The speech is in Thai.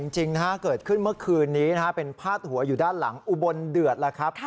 จริงเกิดขึ้นเมื่อคืนนี้เป็นพาดหัวอยู่ด้านหลังอุบลเดือดแล้วครับ